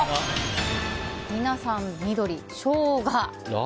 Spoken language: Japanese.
皆さん、緑、ショウガ。